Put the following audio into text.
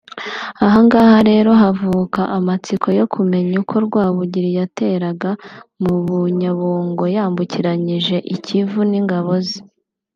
Ahangaha rero havuka amatsiko yo kumenya uko Rwabugili yateraga mu Bunyabungo yambukiranyije i Kivu n’Ingabo ze